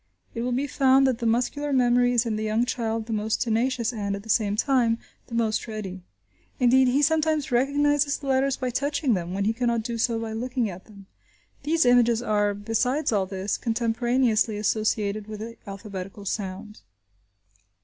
It will be found that the muscular memory is in the young child the most tenacious and, at the same time, the most ready. Indeed, he sometimes recognises the letters by touching them, when he cannot do so by looking at them. These images are, besides all this, contemporaneously associated with the alphabetical sound.